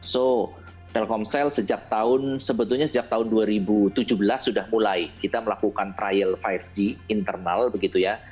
so telkomsel sejak tahun sebetulnya sejak tahun dua ribu tujuh belas sudah mulai kita melakukan trial lima g internal begitu ya